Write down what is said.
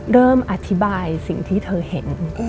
เริ่มอธิบายสิ่งที่เธอเห็น